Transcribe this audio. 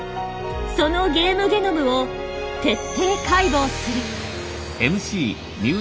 そのゲームゲノムを徹底解剖する。